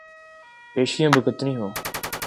پیشیاں بھگتنی ہوں۔